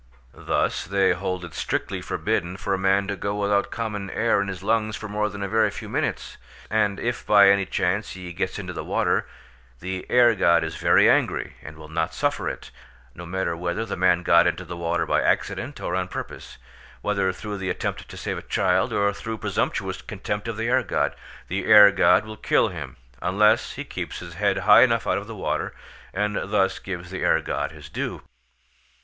Thus they hold it strictly forbidden for a man to go without common air in his lungs for more than a very few minutes; and if by any chance he gets into the water, the air god is very angry, and will not suffer it; no matter whether the man got into the water by accident or on purpose, whether through the attempt to save a child or through presumptuous contempt of the air god, the air god will kill him, unless he keeps his head high enough out of the water, and thus gives the air god his due.